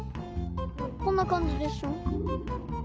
こんなかんじでしょ？